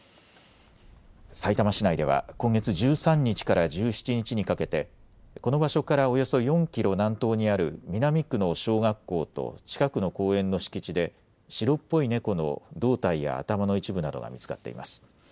さいたま市内では今月１３日から１７日にかけてこの場所からおよそ４キロ南東にある南区の小学校と近くの公園の敷地で白っぽい猫の胴体や頭の一部などが見つかっています。